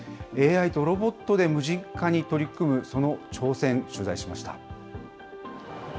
ＡＩとロボットで無人化に取り組む、その挑戦、取材しました。